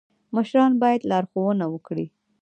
مشران باید لارښوونه وکړي